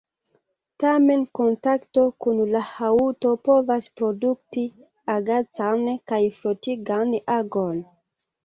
Tamen kontakto kun la haŭto povas produkti agacan kaj frotigan agon.